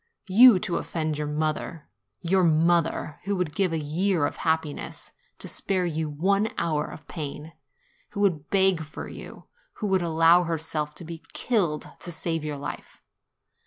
You, to offend your mother! your mother, who would give a year of happi ness to spare you one hour of pain, who would beg for you, who would allow herself to be killed to save your life!